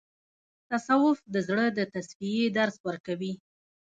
تصوف د زړه د تصفیې درس ورکوي.